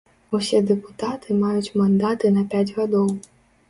Усе дэпутаты маюць мандаты на пяць гадоў.